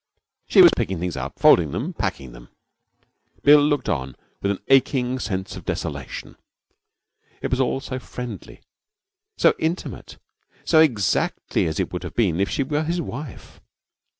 She was picking things up, folding them, packing them. Bill looked on with an aching sense of desolation. It was all so friendly, so intimate, so exactly as it would have been if she were his wife.